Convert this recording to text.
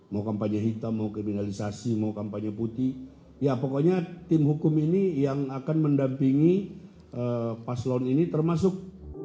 mau kampanye hitam mau kriminalisasi mau kampanye putih ya pokoknya tim hukum ini yang akan mendampingi paslon ini termasuk